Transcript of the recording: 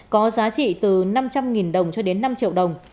có giá trị từ năm trăm linh đồng cho đến năm triệu đồng